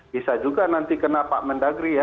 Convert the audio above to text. bisa juga nanti kena pak mendagri ya